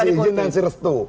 tadi si ijin dan si restu